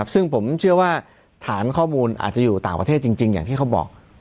ซึ่งผมเชื่อว่าฐานข้อมูลอาจจะอยู่ต่างประเทศจริงอย่างที่เขาบอก